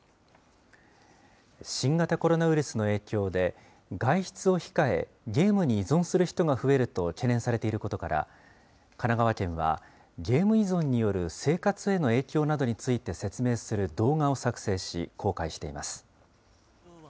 新型コロナウイルスの影響で、外出を控え、ゲームに依存する人が増えると懸念されていることから、神奈川県は、ゲーム依存による生活への影響などについて説明する動画を作成し、公開しています。